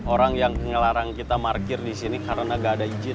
orang yang ngelarang kita markir disini karena gak ada izin